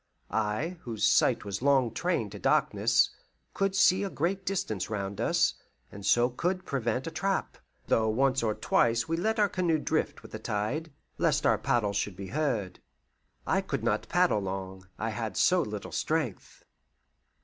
I, whose sight was long trained to darkness, could see a great distance round us, and so could prevent a trap, though once or twice we let our canoe drift with the tide, lest our paddles should be heard. I could not paddle long, I had so little strength.